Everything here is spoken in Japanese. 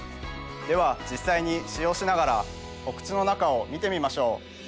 では実際に使用しながらお口の中を見てみましょう。